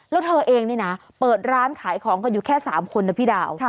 แล้วเธอเองนี่นะเปิดร้านขายของกันอยู่แค่๓คนนะพี่ดาว